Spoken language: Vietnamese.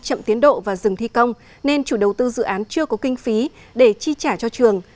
chậm tiến độ và dừng thi công nên chủ đầu tư dự án chưa có kinh phí để chi trả cho trường